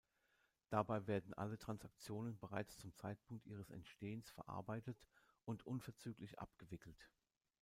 Dabei werden alle Transaktionen bereits zum Zeitpunkt ihres Entstehens verarbeitet und unverzüglich abgewickelt.